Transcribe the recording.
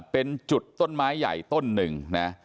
เป็นจุดต้นไม้ใหญ่ต้นหนึ่งนะ